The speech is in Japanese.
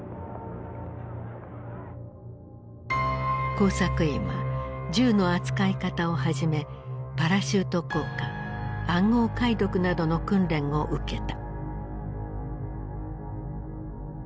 工作員は銃の扱い方をはじめパラシュート降下暗号解読などの訓練を受けた。